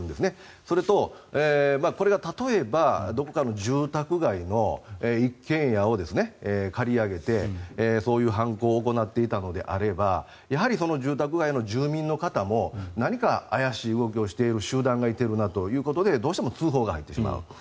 それと、これが例えばどこかの住宅街の一軒家を借り上げてそういう犯行を行っていたのであればやはり住宅街の住民の方も何か怪しい動きをしている集団がいるなということでどうしても通報が入ってしまう。